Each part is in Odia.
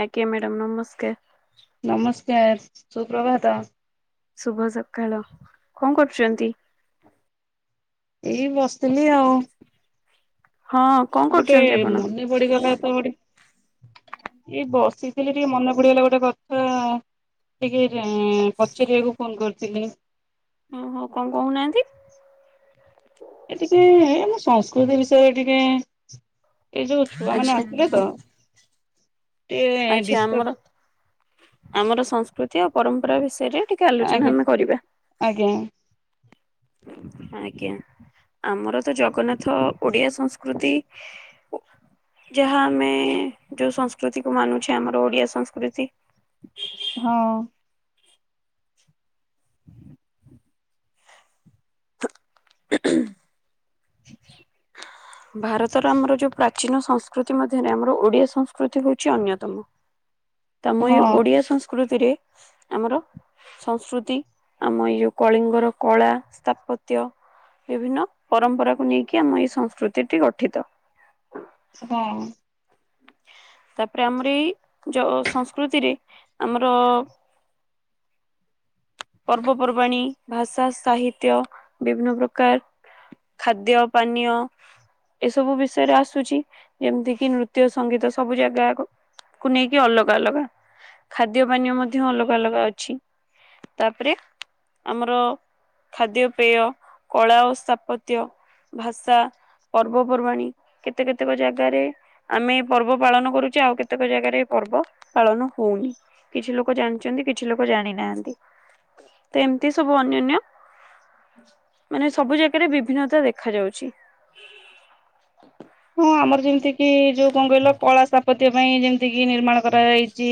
ଆଜ୍ଞା ମ୍ୟାଡ଼ାମ ନମସ୍କାର। ନମସ୍କାର ସୁପ୍ରଭାତ। ଶୁଭ ସକାଳ, କଣ କରୁଚନ୍ତି? ଏଇ ବସିଥିଲି ଆଉ। ହଁ। କଣ ଗୋଟେ କରୁଛନ୍ତି ଆପଣ? ମନେ ପଡିଗଲା ତ ଗୋଟେ ଏ ବସିଥିଲି ଟିକେ ମନେ ପଡିଗଲା ଗୋଟେ କଥା ଟିକେ କଁ, ଅଁ, ପଚାରିବାକୁ ଫୋନ୍ କରିଥିଲି। ଓ ହୋ କଣ କହୁନାହାନ୍ତି। ଏ ଟିକେ ଆମ ସଂସ୍କୃତି ବିଷୟରେ ଟିକେ ଏଇ ଯୋଉ ଛୁଆମାନେ ଆଚ୍ଛା। ଆସିଲେ ତ ଟିକେ ଆଚ୍ଛା ଡିସକସ ଆମର ଆମର ସଂସ୍କୃତି ଆଉ ପରମ୍ପରା ବିଷୟରେ ଟିକ କେ ଆଲୋଚନା ଆଜ୍ଞା ଆମେ କରିବା। ଆଜ୍ଞା। [inaudible] ଆଜ୍ଞା। ଆମର ତ ଜଗନ୍ନାଥ ଓଡିଆ ସଂସ୍କୃତି ଯାହା ଆମେ ଯୋଉ ସଂସ୍କୃତି କୁ ମାନୁଛେ ଆମର ଓଡିଆ ସଂସ୍କୃତି। ହଁ। ହଁ [unintelligible] ଭାରତର ଆମର ଯୋଉ ପ୍ରାଚୀନ ସଂସ୍କୃତି ମଧ୍ୟରେ ଆମର ଓଡିଆ ସଂସ୍କୃତି ହଉଛି ଅନ୍ୟତମ। [unintelligible] ତୋମ ଏ ଓଡିଆ ସଂସ୍କୃତିରେ ଆମର ସଂସ୍କୃତି ଆମ ଇଏ ଯୋଉ କଳିଙ୍ଗର କଳା ସ୍ଥାପତ୍ୟ ବିଭିନ୍ନ ପରମ୍ପରାକୁ ନେଇକି ଆମ ଏଇ ସଂସ୍କୃତିଟି ଗଠିତ। [unintelligible] ତାପରେ ଆମର ଏଇ ଯୋ- ସଂସ୍କୃତିରେ ଆମର ପର୍ବପର୍ବାଣୀ, ଭାଷା, ସାହିତ୍ୟ ବିଭିନ୍ନ ପ୍ରକାର ଖାଦ୍ୟ ପାନୀୟ ଏ ସବୁ ବିଷୟରେ ଆସୁଛି ଯେମିତି କିି ନୃତ୍ୟ ସଙ୍ଗୀତ ସବୁ ଜାଗାକୁ କୁ ନେଇକି ଅଲଗା ଅଲଗା ଖାଦ୍ୟ ପାନୀୟ ମଧ୍ୟ ଅଲଗା ଅଲଗା ଅଛି। ତାପରେ ଆମର ଖାଦ୍ୟପେୟ କଳା ଓ ସ୍ଥାପତ୍ୟ ଭାଷା ପର୍ବପର୍ବାଣୀ କେତେ କେତେକ ଜାଗାରେ ଆମେ ଏ ପର୍ବ ପାଳନ କରୁଚେ ଆଉ କେତେକ ଜାଗାରେ ଏ ପର୍ବ ପାଳନ ହଉନି। କିଛି ଲୋକ ଜାଣିଛନ୍ତି କିଛି ଲୋକ ଜାଣି ନାହାନ୍ତି। ତ ଏମତି ସବୁ ଅନ୍ୟନ୍ୟ ମାନେ ସବୁ ଜାଗାରେ ବିଭିନ୍ନତା ଦେଖା ଯାଉଛି। ହଁ ଆମର ଯେମିତି କିି ଯୋଉ କଣ କହିଲ କଳା ସାପତ୍ୟ ପାଇଁ ଯେମିତି କି ନିର୍ମାଣ କରାଯାଇଚି।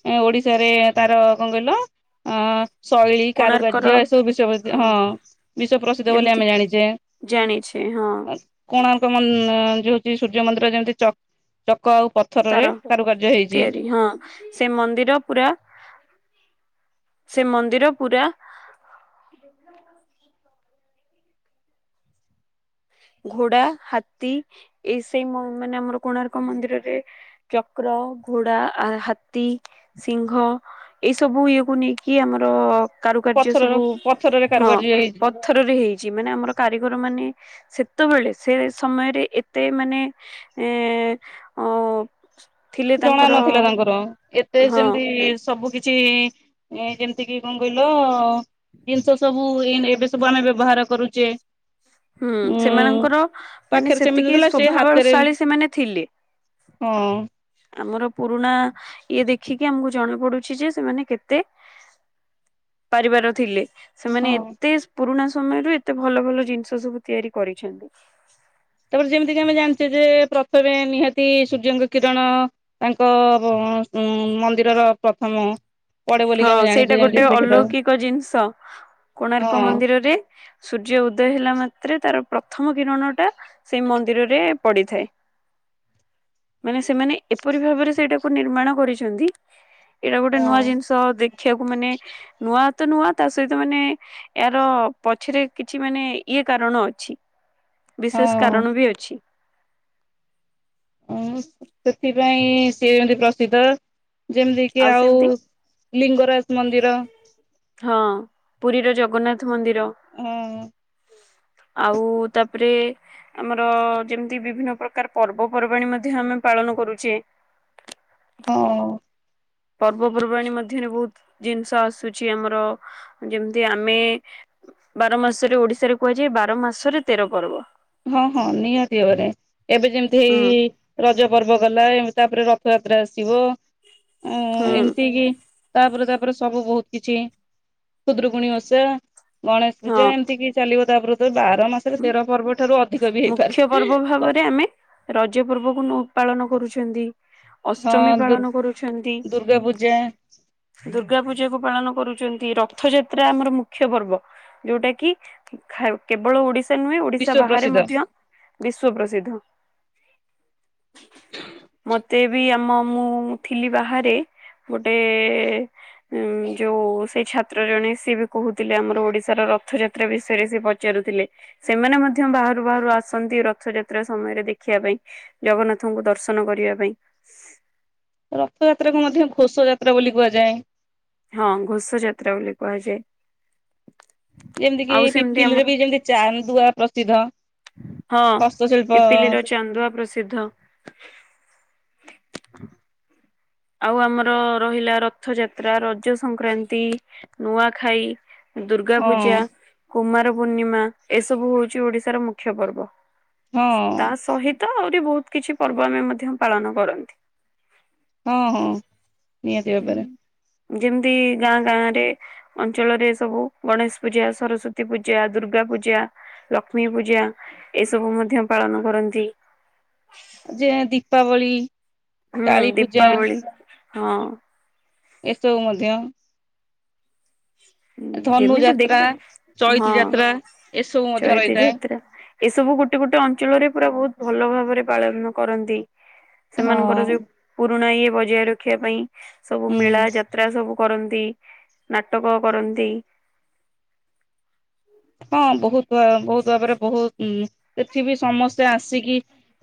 ସେ ଓଡିଶାରେ ତାର କଣ କହିଲ ଅଁ, ଶୈଳୀ କୋଣାର୍କର କାରୁକାର୍ଯ୍ୟ ଏସବୁ ବିଶ୍ବପସି ହଁ ବିଶ୍ଵ ପ୍ରସିଦ୍ଧ ବୋଲି ଆମେ ଜାଣିଚେ। ଜାଣିଛି ହଁ। କୋଣାର୍କ ମନ୍ ଯୋଉ ହଉଚି ସୂର୍ଯ୍ୟ ମନ୍ଦିର ଯେମିତି ଚକ୍ ଚକ ଆଉ ପ ତାର ପଥରରେ କାରୁକାର୍ଯ୍ୟ ହେଇଚି। ତିଆରି ହଁ ସେ ମନ୍ଦିର ପୁରା ସେ ମନ୍ଦିର ପୁରା [unintelligible] [inaudible] ଘୋଡା ହାତୀ ଏଇ ସେଇ ମୋ ମାନେ ଆମର କୋଣାର୍କ ମନ୍ଦିରରେ ଚକ୍ର ଘୋଡା ଆ ହାତୀ ସିଂଘ ଏଇ ସବୁ ଇଏ କୁ ନେଇକି ଆମର କାରୁକାର୍ଯ୍ୟ ପଥରର ସବୁ ପଥରରେ ହଁ କାରୁକାର୍ଯ୍ୟ ହେଇଛି। ପଥରରେ ହେଇଚି ମାନେ ଆମର କାରିଗର ମାନେ ସେତେବେଳେ ସେ ସମୟରେ ଏତେ ମାନେ ଏଁ ଅଁ ଜଣା ନଥିଲା ତାଙ୍କର ଏତେ ହଁ ସେମିତି ସବୁ କିଛି ଏଁ ଯେମିତି କି କଁ କହିଲ ଜିନିଷ ସବୁ ଏମ ଏବେ ସବୁ ଆମେ ବ୍ୟବହାର କରୁଚେ। ହୁଁ ସେମାନଙ୍କର ମାନେ ପାଖରେ ସେମିତି ସେତିକି ଥିଲା ସେ ହାତରେ ସ୍ୱଭାବଳଶାଳୀ ସେମାନେ ଥିଲେ। ହଁ। ଆମର ପୁରୁଣା ଇଏ ଦେଖିକି ଆମକୁ ଜଣା ପଡୁଛି ଯେ ସେମାନେ କେତେ ପାରିବାର ଥିଲେ। ସେମାନେ ହଁ ଏତେ ପୁରୁଣା ସମୟରୁ ଏତେ ଭଲ ଭଲ ଜିନିଷ ସବୁ ତିଆରି କରିଛନ୍ତି। ତାପରେ ଯେମିତି କି ଆମେ ଜାଣିଚେ ଯେ ପ୍ରଥମେ ନିହାତି ସୂର୍ଯ୍ୟଙ୍କ କିରଣ ତାଙ୍କ [inaudible] ମନ୍ଦିରର ପ୍ରଥମ ପଡେ ବୋଲିକି ହଁ ଆମେ ସେଇଟା ଜାଣିଛେ ଯେମିତି ଗୋଟେ ଦେଖିଥାଉ ଅଲୌକିକ ଜିନିଷ କୋଣାର୍କ ହଁ ମନ୍ଦିରରେ ସୂର୍ଯ୍ୟ ଉଦୟ ହେଲା ମାତ୍ରେ ତାର ପ୍ରଥମ କିରଣ ଟା ସେ ମନ୍ଦିରରେ ପଡିଥାଏ ମାନେ ସେମାନେ ଏପରି ଭାବରେ ସେଇଟାକୁ ନିର୍ମାଣ କରିଛନ୍ତି ଏଇଟା ଗୋଟେ ନୂଆ ଜିନିଷ ଦେଖିବାକୁ ମାନେ ନୂଆ ତ ନୂଆ ତା ସହିତ ମାନେ ଏହାର ପଛରେ କିଛି ମାନେ ଇଏ କାରଣ ଅଛି। ବିଶେଷ ହଁ କାରଣ ବି ଅଛି। ଉଁ ସେଥିପାଇଁ ସିଏ ଯେମତି ପ୍ରସିଦ୍ଧ। ଯେମିତି କି ଆଉ ଲିଙ୍ଗରାଜ ମନ୍ଦିର। ହଁ ପୁରୀର ଜଗନ୍ନାଥ ମନ୍ଦିର। ହଁ [inaudible] ଆଉ ତାପରେ ଆମର ଯେମତି ବିଭିନ୍ନ ପ୍ରକାର ପର୍ବପର୍ବାଣି ମଧ୍ୟ ଆମେ ପାଳନ କରୁଚେ। ହଁ। ପର୍ବପର୍ବାଣୀ ମଧ୍ୟରେ ବହୁତ୍ ଜିନଷ ଆସୁଚି ଆମର ଯେମତି ଆମେ ବାର ମାସରେ ଓଡିଶାରେ କୁହାଯାଏ ବାର ମାସରେ ତେର ପର୍ବ। ହଁ ହଁ ନିହାତି ଭାବରେ ଏବେ ଯେମତି ହୁଁ ହେଇ ରଜ ପର୍ବ ଗଲା ଏମ ତାପରେ ରଥଯାତ୍ରା ଆସିବ ଅଁ ହୁଁ ଏମତି କି ତାପରେ ତାପରେ ସବୁ ବହୁତ୍ କିଛି ଖୁଦୁରୁକୁଣୀ ଓଷା। ଗଣେଶ ହଁ ପୂଜା ଏମତି କି ଚାଲିବ ତାପରେ ତ ବାର ମାସରେ ତେର ପର୍ବ ଠାରୁ ଅ ମୁଖ୍ୟ ପର୍ବ ଭାବରେ ଆମେ ରଜ ପର୍ବକୁ ନୁ ପାଳନ କରୁଛନ୍ତି। ଅଷ୍ଟମୀ ହଁ ଦୁର୍ ପାଳନ କରୁଛନ୍ତି। ଦୁର୍ଗା ପୂଜା ଦୁର୍ଗା ପୂଜା କୁ ପାଳନ କରୁଚନ୍ତି ରଥ ଯାତ୍ରା ଆମର ମୁଖ୍ୟ ପର୍ବ ଯୋଉଟା କି ଖାଇବ୍ କେବଳ ଓଡିଶା ନୁହେଁ ଓଡିଶା ବିଶ୍ଵ ବାହାରେ ପ୍ରସିଦ୍ଧ ମଧ୍ୟ ବିଶ୍ଵ ପ୍ରସିଦ୍ଧ। [unintelligible] ମତେ ବି ଆମ ମୁଁ ଥିଲି ବାହାରେ, ଗୋଟେ ଉଁ ଯୋଉ ସେଇ ଛାତ୍ର ଜଣେ ସିଏ ବି କହୁଥିଲେ ଆମର ଓଡିଶାର ରଥଯାତ୍ରା ବିଷୟରେ ସେ ପ ପଚାରୁଥିଲେ, ସେମାନେ ମ ମଧ୍ୟ ବାହାରୁ-ବାହାରୁ ଆସନ୍ତି ରଥଯାତ୍ରା ସମୟରେ ଦେଖିଆ ପାଇଁ ଜଗନ୍ନାଥଙ୍କୁ ଦର୍ଶନ କରିବା ପାଇଁ। ରଥଯାତ୍ରାକୁ ମଧ୍ୟ ଘୋଷଯାତ୍ରା ବୋଲି କୁହାଯାଏ। ହଁ, ଘୋଷଯାତ୍ରା ବୋଲି କୁହାଯାଏ। ଯେମ୍ତିକି ଆଉ ସେମିତି ଆମର ପିପିଲିରେ ବି ଯେମ୍ତି ଚାନ୍ଦୁଆ ପ୍ରସିଦ୍ଧ। ହଁ, ହସ୍ତଶିଳ୍ପ ପିପିଲିର ଚାନ୍ଦୁଆ ପ୍ରସିଦ୍ଧ। ଆଉ ଆମର ରହିଲା ରଥଯାତ୍ରା, ରଜ ସଂକ୍ରାନ୍ତି, ନୂଆଖାଇ ଦୁର୍ଗା ହଁ ପୂଜା, କୁମାର ପୂର୍ଣ୍ଣିମା ଏସବୁ ହଉଚି ଓଡିଶାର ମୁଖ୍ୟ ପର୍ବ। ହଁ ତା ସହିତ ଆହୁରି ବହୁତ୍ କିଛି ପର୍ବ ଆମେ ମଧ୍ୟ ପାଳନ କରନ୍ତି। ହଁ-ହଁ ନିହାତି ଭାବେରେ। ଯେମ୍ତି ଗାଁ-ଗାଁ ରେ ଅଞ୍ଚଳରେ ସବୁ ଗଣେଶ ପୂଜା, ସରସ୍ଵତୀ ପୂଜା, ଦୁର୍ଗା ପୂଜା ଲକ୍ଷ୍ମୀ ପୂଜା ଏସବୁ ମଧ୍ୟ ପାଳନ କରନ୍ତି। ଯେ ଦୀପାବଳି ହୁଁ, କାଳୀ ପୂଜା ଦୀପାବଳି ହଁ। ଏସବୁ ମଧ୍ୟ। ଧନୁ ଯେମିତି ଯାତ୍ରା [unintelligible] ହଁ ଚଇତି ଯାତ୍ରା ଏସବୁ ମଧ୍ୟ ଚ‌ଇତି ରହିଥାଏ ଯାତ୍ରା। ଏସବୁ ଗୋଟେ-ଗୋଟେ ଅଞ୍ଚଳରେ ପୁରା ବହୁତ୍ ଭଲ ଭାବରେ ପାଳନ କରନ୍ତି। ସେମାନଙ୍କର ହଁ। ଯୋଉ ପୁରୁଣା ଇଏ ବଜାୟ ରଖିବା ପାଇଁ ସବୁ ମେଳା ହୁଁ ଯା ତ୍ରା ସବୁ କରନ୍ତି, ନାଟକ କରନ୍ତି। ହଁ, ବହୁତ୍ [unintelligible] ବହୁତ୍ ଭାବରେ ବହୁତ୍ ଉଁ ସେଠି ବି ସମସ୍ତେ ଆସିକି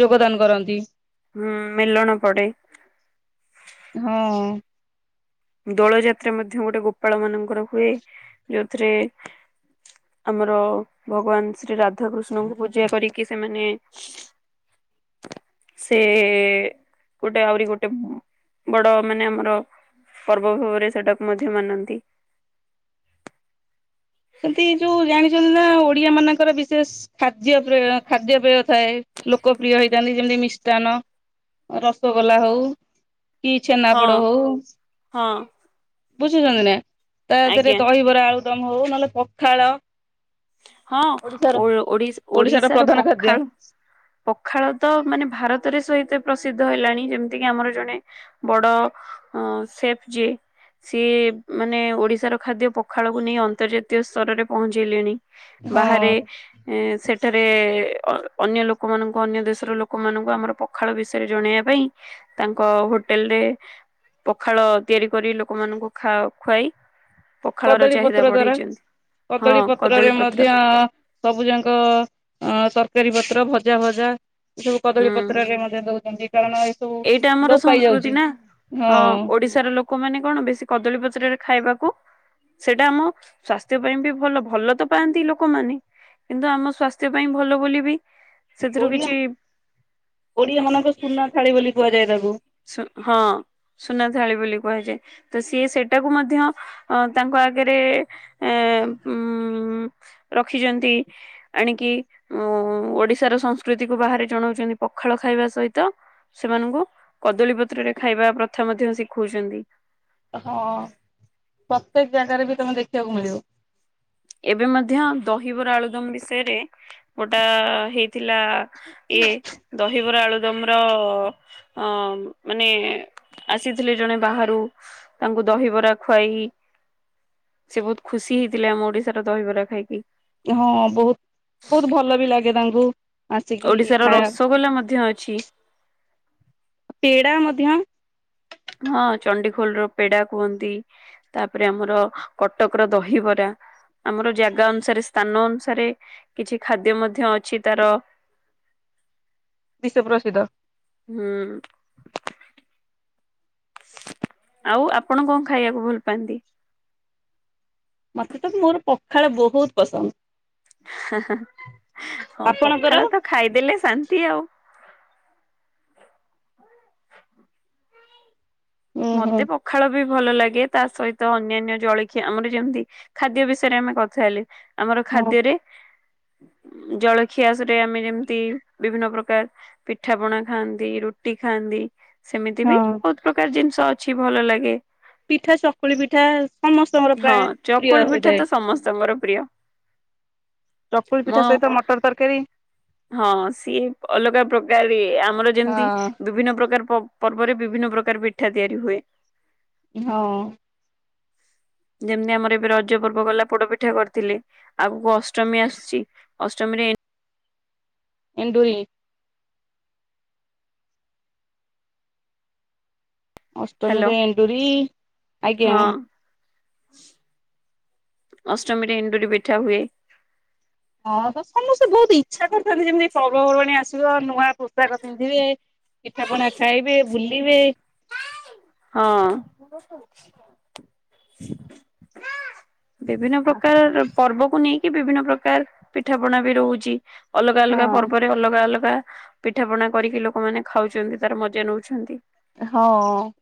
ଯୋଗଦାନ କରନ୍ତି। ହୁଁ, ମେଲଣ ପଡେ। ହଁ। ଦୋଳଯାତ୍ରା ମଧ୍ୟ ଗୋଟେ ଗୋପାଳ ମାନଙ୍କର ହୁଏ, ଯୋଉଥିରେ ଆମର ଭଗବାନ୍ ଶ୍ରୀ ରାଧାକୃଷ୍ଣଙ୍କୁ ପୂଜା କରିକି ସେମାନେ [unintelligible] ସେ ଗୋଟେ ଆହୁରି ଗୋଟେ ବଡ ମାନେ ଆମର ପର୍ବ ଭାବରେ ସେଟାକୁ ମଧ୍ୟ ମାନନ୍ତି। ସେମ୍ତି ଏଯୋଉ ଜାଣିଚନ୍ତି ନା ଓଡିଆ ମାନଙ୍କର ବିଶେଷ ଖାଦ୍ୟ ପ୍ରେୟ ଖାଦ୍ୟପେୟ ଥାଏ ଲୋକ ପ୍ରିୟ ହେଇଥାନ୍ତି, ଯେମ୍ତି ମିଷ୍ଟାନ ରସଗୋଲା ହଉ କି ହଁ ଛେନାପୋଡ ହଉ, ହଁ ବୁଝୁଚନ୍ତି ନା? ତାଦେରେ ଆଜ୍ଞା। ଦହିବରା ଆଳୁଦମ୍ ହଉ ନହେଲେ ପଖାଳ ହଁ, ଓଡିଶାର ଓ ଓଡି ଓଡିଶାର ଓଡ଼ିଶା ର ପ୍ରଧାନ ଖାଦ୍ୟ ପଖାଳ ପଖାଳ ତ ମାନେ ଭାରତରେ ସହିତେ ପ୍ରସିଦ୍ଧ ହେଲାଣି, ଯେମ୍ତି କିି ଆମର ଜଣେ ବଡ ଅଁ ସେଫ୍ ଯିଏ ସିଏ ମାନେ ଓଡିଶାର ଖାଦ୍ୟ ପଖାଳକୁ ନେଇ ଅନ୍ତର୍ଜାତୀୟ ସ୍ତରରେ ପହଞ୍ଚେଇଲେଣି। ହଁ ବାହାରେ ଏଁ ସେଠାରେ ଅନ୍ୟ ଲୋକମାନଙ୍କୁ ଅନ୍ୟ ଦେଶର ଲୋକମାନଙ୍କୁ ଆମର ପ ଖାଳ ବିଷୟରେ ଜଣେଇବା ପାଇଁ ତାଙ୍କ ହୋଟେଲ୍ ରେ ପଖାଳ ତିଆରି କରି ଲୋକମାନଙ୍କୁ ଖାଅ ଖୁଆଇ ପଖାଳର କଦଳୀ ଚାହିଦା ପତ୍ର ଦ୍ଵାରା ବଢେଇଛନ୍ତି ହଁ କଦଳୀ ପତ୍ ପତ୍ରରେ ପତ୍ର ମଧ୍ୟ ସବୁଜାଙ୍କ ଅ ତରକାରୀ ପତ୍ର ଭଜା ଭଜା ଏ ସବୁ କଦଳୀ ହୁଁ ପତ୍ରରେ ମଧ୍ୟ ଦଉଛନ୍ତି କାରଣ ଏ ସବୁ ଏଇଟା ଆମର ଲୋପ ପାଇ ଯାଉଛି ସଂସ୍କୃତି ନା ହଁ ଓଡିଶାର ଲୋକ ଲୋକମାନେ କଣ ବେଶୀ କଦଳୀ ପତ୍ରରେ ଖାଇବାକୁ ସେଇଟା ଆମ ସ୍ଵାସ୍ଥ୍ୟ ପାଇଁ ବି ଭଲ ଭଲ ତ ପାଆନ୍ତି ଲୋକମାନେ କିନ୍ତୁ ଆମ ସ୍ଵାସ୍ଥ୍ୟ ପାଇଁ ଭଲ ବୋଲି ବି ସେଥିରୁ ଓଡିଆ କିଛି ଓଡିଆ ମାନଙ୍କ ସୁନା ଥାଳି ବୋଲି କୁହାଯାଏ ତାକୁ। ହଁ। ସୁନା ଥାଳି ବୋଲି କୁହାଯାଏ ତ ସିଏ ସେଟାକୁ ମଧ୍ୟ ଅ ତାଙ୍କ ଆଗରେ ଏଁ ଉଁ ରଖିଛନ୍ତି ଆଣିକି ଉ ଓଡିଶାର ସଂସ୍କୃତିକୁୁ ବାହାରେ ଜଣଉଛନ୍ତି ପଖାଳ ଖାଇବା ସହିତ ସେମାନଙ୍କୁ କଦଳୀ ପତ୍ରରେ ଖାଇବା ପ୍ରଥା ମଧ୍ୟ ଶିଖଉଛନ୍ତି। ହଁ ପ୍ରତ୍ୟେକ ଜାଗାରେ ବି ତମେ ଦେଖିବାକୁ ମିଳିବ। ଏବେ ମଧ୍ୟ ଦହିବରା ଆଳୁଦମ ବିଷୟରେ ଗୋଟା ହେଇଥିଲା ଇଏ ଦହିବରା ଆଳୁଦମ ର ଅ ମାନେ ଆସିଥିଲେ ଜଣେ ବାହାରୁ ତାଙ୍କୁ ଦହିବରା ଖୁଆଇ ସେ ବହୁତ୍ ଖୁସି ହେଇଥିଲେ ଆମ ଓଡିଶାର ଦହିବରା ଖାଇକି। ହଁ ବହୁତ୍ ବହୁତ୍ ଭଲ ବି ଲାଗେ ତାଙ୍କୁ। ଆସିକି ଓଡ଼ିଶାର ଖାଇବା ରସଗୋଲା ମଧ୍ୟ ଅଛି। ପେଡା ମଧ୍ୟ ହଁ ଚଣ୍ଡିଖୋଲ ର ପେଡା କୁହନ୍ତି। ତାପରେ ଆମର କଟକର ଦହିବରା ଆମର ଜାଗା ଅନୁସାରେ ସ୍ଥାନ ଅନୁସାରେ କିଛି ଖାଦ୍ୟ ମଧ୍ୟ ଅଛି ତାର ବିଶ୍ୱ ପ୍ରସିଦ୍ଧ। ହୁଁ। ଆଉ ଆପଣ କଣ ଖାଇବାକୁ ଭଲ ପାଆନ୍ତି। ମତେ ତ ମୋର ପଖାଳ ବହୁତ୍ ପସନ୍ଦ। ହଁ ଆପଣଙ୍କର ପଖାଳ ତ ଖାଇଦେଲେ ଶାନ୍ତି ଆଉ। ଓହୋ ମତେ ପଖାଳ ବି ଭଲ ଲାଗେ ତା ସହିତ ଅନ୍ୟାନ୍ୟ ଜଳଖିଆ ଆମର ଯେମତି ଖାଦ୍ୟ ବିଷୟରେ ଆମେ କଥା ହେଲେ ଆମର ହଁ ଖାଦ୍ୟରେ ଜଳଖିଆ ସେଟେ ଆମେ ଯେମିତି ବିଭିନ୍ନ ପ୍ରକାର ପିଠା ପଣା ଖାନ୍ତି ରୁଟି ଖାଆନ୍ତି। ସେମିତି ବି ହଁ ବହୁତ୍ ପ୍ରକାର ଜିନିଷ ଅଛି ଭଲ ଲାଗେ। ପିଠା ଚକୁଳି ପିଠା ସମସ୍ତଙ୍କର ହଁ ପ୍ରାୟ ପ୍ରିୟ ଚକୁଳି ପିଠା ତ ହୋଇଥାଏ। ସମସ୍ତଙ୍କର ପ୍ରିୟ ଚକୁଳି ମୋ ପିଠା ସହିତ ମଟର ତରକାରୀ। ହଁ ସିଏ ଅଲଗା ପ୍ରକାର ଇଏ ଆମର ଯେମିତି ହଁ ବିଭିନ୍ନ ପ୍ରକାର ପ ପର୍ବରେ ବିଭିନ୍ନ ପ୍ରକାର ପିଠା ତିଆରି ହୁଏ। ହଁ। ଯେମିତି ଆମର ଏବେ ରଜ ପର୍ବ ଗଲା ପୋଡପିଠା କରିଥିଲେ। ଆଗକୁ ଅଷ୍ଟମୀ ଆସୁଛି ଅଷ୍ଟମୀରେ ଏଣ୍ଡୁରି। ହ୍ୟାଲୋ ଅଷ୍ଟମୀରେ ଏଣ୍ଡୁରି ଆଜ୍ଞା। ହଁ ଅଷ୍ଟମୀରେ ଏଣ୍ଡୁରି ପିଠା ହୁଏ। ହଁ ତ ସମସ୍ତେ ବହୁତ ଇଚ୍ଛା କରିଥାନ୍ତି ଯେମିତି ପର୍ବପର୍ବାଣୀ ଆସିବ ନୂଆ ପୋସାକ ପିନ୍ଧିବେ। ପିଠା ପଣା ଖାଇବେ ବୁଲିବେ। ହଁ। ବିଭିନ୍ନ ପ୍ରକାର ପର୍ବକୁ ନେଇକି ବିଭିନ୍ନ ପ୍ରକାର ପିଠାପଣା ବି ରହୁଛି ଅଲଗା ହଁ ଅଲଗା ପର୍ବରେ ଅଲଗା ଅଲଗା ପିଠା ପଣା କରିକି ଲୋକମାନେ ଖାଉଛନ୍ତି ତାର ମଜା ନଉଛନ୍ତି। ହଁ।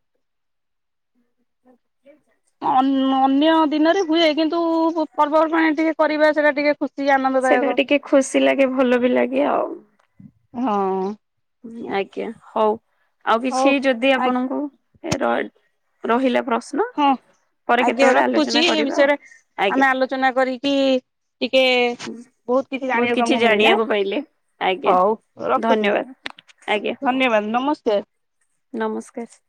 ଅ ଅନ୍ୟ ଦିନରେ ହୁଏ କିନ୍ତୁ ପର୍ବପର୍ବାଣିରେ ଟିକେ କରିବା ସେଟା ଟିକେ ଖୁସି ଆନନ୍ଦ ସେଇଟା ବି ଟିକେ ଖୁସି ଲାଗେ ଭଲ ବି ଲାଗେ ଆଉ। ହଁ। ଆଜ୍ଞା। ହଉ ଆଉ ହଉ କିଛି ଯଦି ଆ ଆପଣଙ୍କୁ ର ରହିଲା ପ୍ରଶ ହଁ ଆଜ୍ଞା ରଖୁଛି ଏ କରିବା ଆଉ ବିଷୟରେ ଆମେ ଆଜ୍ଞା। ଆଲୋଚ ଆଲୋଚନା କରିକି ଟିକେ ବହୁତ କିଛି ଜାଣିବାକୁ ଆମକୁ ମିଳିଲା। ଜାଣିବାକୁ ପାଇଲେ ଆଜ୍ଞା ହଉ ରଖୁଛି? ଧନ୍ୟବାଦ ଆଜ୍ଞା ଧନ୍ୟବାଦ ନମସ୍ତେ। ନମସ୍କାର ସାର।